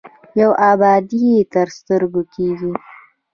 یوه ابادي یې تر سترګو کېږي.